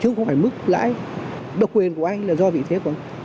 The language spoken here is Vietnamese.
chứ không phải mức lãi độc quyền của anh là do vị thế của anh